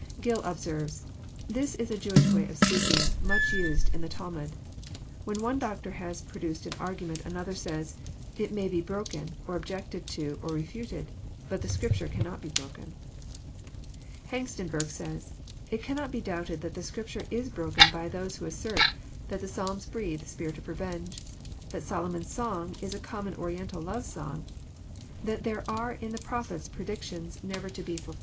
Gill observes :'< This is a Jewish way of speaking, much used in the Talmud. When one doctor has produced an argu ment, another says, * It may be broken,* or objected to, or re ftated. But the Scripture cannot be broken." Hengstenberg says :'* It cannot be doubted that the Scrip ture is broken by those who assert that the Psalms breathe a spirit of revenge — that Solomon's song is a common Oriental love song — that there are in the Prophets predictions never to 224 EXF06ITOBY THOUGHTS.